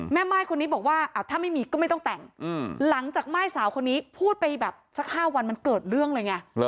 ม่ายคนนี้บอกว่าถ้าไม่มีก็ไม่ต้องแต่งหลังจากม่ายสาวคนนี้พูดไปแบบสัก๕วันมันเกิดเรื่องเลยไง